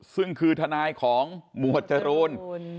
ซึ่งคือทนายของหมวดจรูน